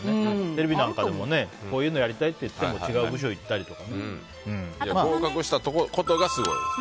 テレビなんかでもこういうのやりたいとか言っても違う部署に合格したことがすごいです。